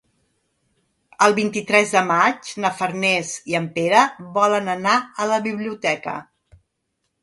El vint-i-tres de maig na Farners i en Pere volen anar a la biblioteca.